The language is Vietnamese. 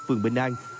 phường bình an